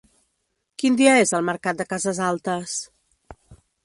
Quin dia és el mercat de Cases Altes?